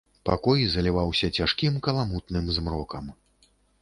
Пакой заліваўся цяжкім каламутным змрокам.